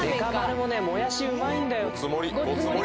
もやしうまいんだよ。